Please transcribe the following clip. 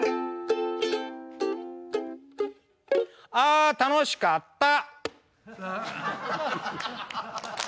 あ楽しかった！